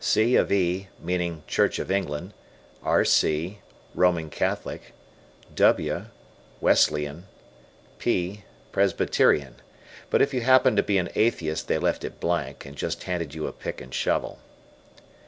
C. of E., meaning Church of England; R. C., Roman Catholic; W., Wesleyan; P., Presbyterian; but if you happened to be an atheist they left it blank, and just handed you a pick and shovel.